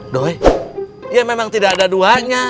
doy ya memang tidak ada duanya